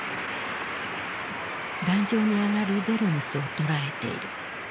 壇上に上がるデルムスを捉えている。